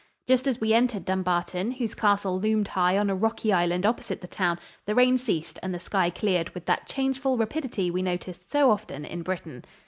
Just as we entered Dumbarton, whose castle loomed high on a rocky island opposite the town, the rain ceased and the sky cleared with that changeful rapidity we noticed so often in Britain.